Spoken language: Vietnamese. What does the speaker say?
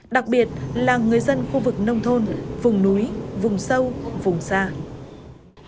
đặc biệt là người dân khu vực nông thôn vùng núi vùng sâu vùng xa